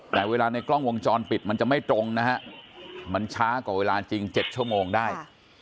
แต่เวลาในกล้องวงจรปิดมันจะไม่ตรงนะฮะมันช้ากว่าเวลาจริง๗ชั่วโมงได้